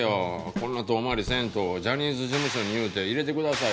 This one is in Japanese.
こんな遠回りせんとジャニーズ事務所に言うて「入れてください」